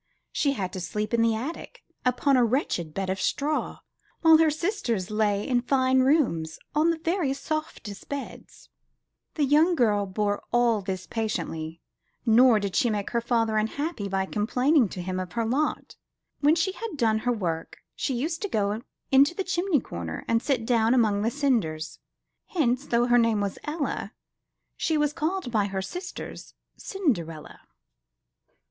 She had to sleep in the attic, upon a wretched bed of straw, while her sisters lay in fine rooms, on the very softest beds. The young girl bore all this patiently, nor would she make her father unhappy by complaining to him of her lot. When she had done her work, she used to go into the chimney corner, and sit down among the cinders; hence, though her name was Ella, she was called by her sisters, Cinderella.